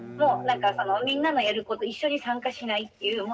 みんなのやること一緒に参加しないっていう。